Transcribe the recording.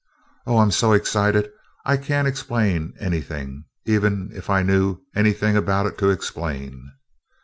Oh, I'm so excited I can't explain anything, even if I knew anything about it to explain.